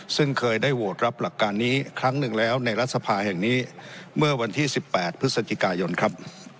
ซึ่งเคยได้โหวตรับหลักการนี้ครั้งหนึ่งแล้วในรัฐสภาแห่งนี้เมื่อวันที่๑๘พฤศจิกายนครับ